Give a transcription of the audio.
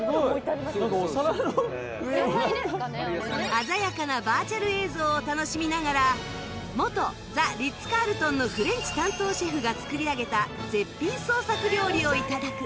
鮮やかなバーチャル映像を楽しみながら元ザ・リッツ・カールトンのフレンチ担当シェフが作り上げた絶品創作料理を頂く